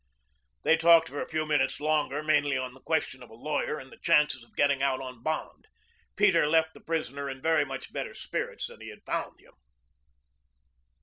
They talked for a few minutes longer, mainly on the question of a lawyer and the chances of getting out on bond. Peter left the prisoner in very much better spirits than he had found him.